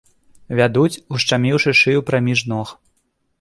Вядуць, ушчаміўшы шыю праміж ног.